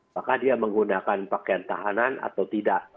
apakah dia menggunakan pakaian tahanan atau tidak